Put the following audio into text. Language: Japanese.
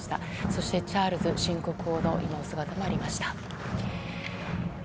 そしてチャールズ新国王のお姿もありました。